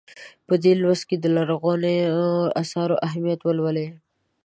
په دې لوست کې د لرغونو اثارو اهمیت ولولئ.